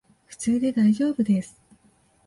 普通でだいじょうぶです